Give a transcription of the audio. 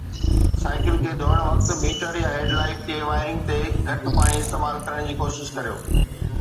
cycle کي ڌوئڻ وقت، ميٽر يا هيڊ لائيٽ جي وائرنگ تي گهٽ پاڻي استعمال ڪرڻ جي ڪوشش ڪريو